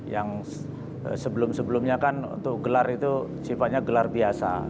yang sebelum sebelumnya kan untuk gelar itu sifatnya gelar biasa